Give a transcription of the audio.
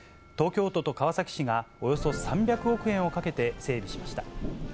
東京都と川崎市がおよそ３００億円をかけて整備しました。